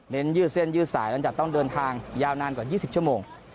ยืดเส้นยืดสายหลังจากต้องเดินทางยาวนานกว่า๒๐ชั่วโมง